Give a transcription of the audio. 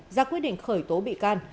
ra quyết định khởi tố bị can